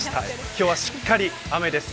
今日はしっかり雨です。